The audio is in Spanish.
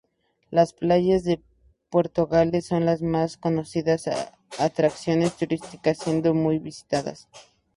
Las playas de Puerto Galera son las más conocidas atracciones turísticas, siendo muy visitadas.